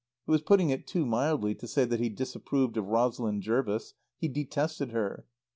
It was putting it too mildly to say he disapproved of Rosalind Jervis; he detested her.